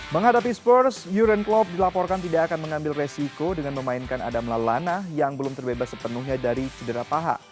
menghadapi spurs juren klopp dilaporkan tidak akan mengambil resiko dengan memainkan adam lalana yang belum terbebas sepenuhnya dari cedera paha